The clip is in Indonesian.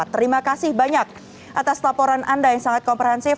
terima kasih banyak atas laporan anda yang sangat komprehensif